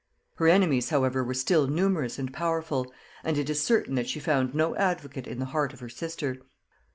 Her enemies however were still numerous and powerful; and it is certain that she found no advocate in the heart of her sister.